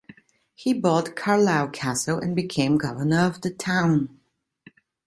He bought Carlisle Castle and became governor of the town.